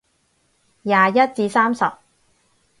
廿一至三十